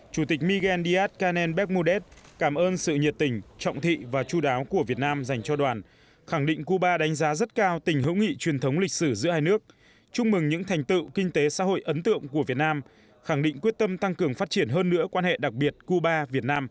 chủ tịch miguel díaz canel becmudev cảm ơn sự nhiệt tình trọng thị và chú đáo của việt nam dành cho đoàn khẳng định cuba đánh giá rất cao tình hữu nghị truyền thống lịch sử giữa hai nước chúc mừng những thành tựu kinh tế xã hội ấn tượng của việt nam khẳng định quyết tâm tăng cường phát triển hơn nữa quan hệ đặc biệt cuba việt nam